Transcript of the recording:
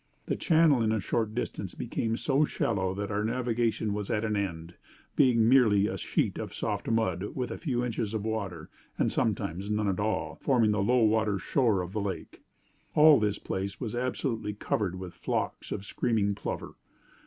The channel in a short distance became so shallow that our navigation was at an end, being merely a sheet of soft mud, with a few inches of water, and sometimes none at all, forming the low water shore of the lake. All this place was absolutely covered with flocks of screaming plover.